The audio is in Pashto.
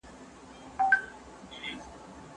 تاسي کولای شئ خپل نظر په ویډیو کې ووایاست.